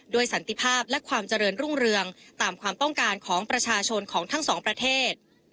สันติภาพและความเจริญรุ่งเรืองตามความต้องการของประชาชนของทั้งสองประเทศ